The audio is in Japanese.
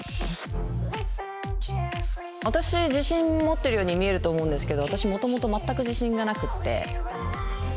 私、自信持ってるように見えると思うんですけど、私、もともと全く自信がなくって。